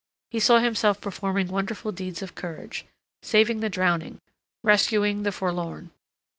He saw himself performing wonderful deeds of courage; saving the drowning, rescuing the forlorn.